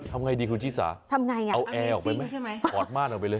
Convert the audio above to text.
ทำไงดีคุณจิ๋สาเอาแอลออกไปไหมเพราะม่านออกไปเลย